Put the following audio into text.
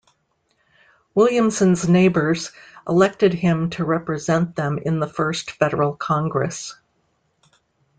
Williamson's neighbors elected him to represent them in the first federal Congress.